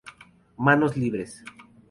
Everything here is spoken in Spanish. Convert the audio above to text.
Manos libres.